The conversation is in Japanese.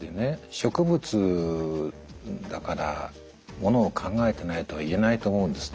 植物だからものを考えてないとは言えないと思うんですね。